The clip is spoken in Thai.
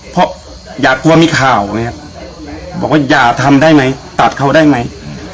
เพราะอย่ากลัวมีข่าวอย่าทำได้ไหมตัดเขาได้ไหม